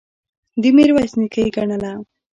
د میرویس نیکه یې ګڼله.